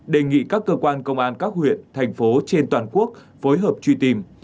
đề nghị các cơ quan công an các huyện thành phố trên toàn quốc phối hợp truy tìm